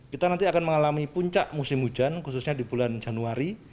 kita nanti akan mengalami puncak musim hujan khususnya di bulan januari